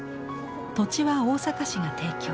土地は大阪市が提供。